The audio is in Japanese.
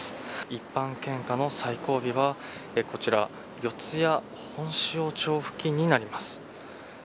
一般献花の最後尾はこちら四谷本塩町付近になります。